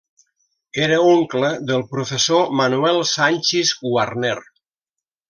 Era oncle del professor Manuel Sanchis Guarner.